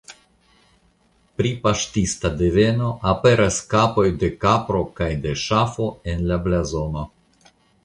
Pri paŝtista deveno aperas kapoj de kapro kaj de ŝafo en la blazono.